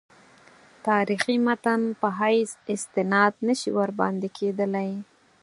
تاریخي متن په حیث استناد نه شي ورباندې کېدلای.